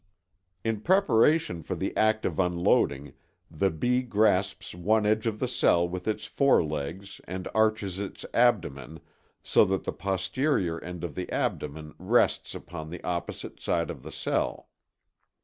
In preparation for the act of unloading the bee grasps one edge of the cell with its forelegs and arches its abdomen so that the posterior end of the abdomen rests upon the opposite side of the cell.